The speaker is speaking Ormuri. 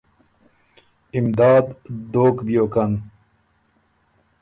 امداد دوک بیوکن